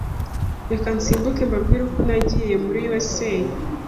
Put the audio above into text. Reka nsimbuke mbabwire uko nagiye muri USA: